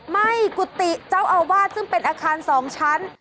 ไหม้กุฏิเจ้าอาวาสซึ่งเป็นอาคาร๒ชั้น